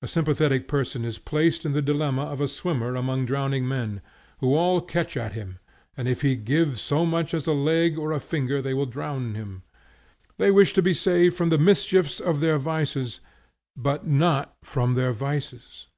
A sympathetic person is placed in the dilemma of a swimmer among drowning men, who all catch at him, and if he give so much as a leg or a finger they will drown him. They wish to be saved from the mischiefs of their vices, but not from their vices.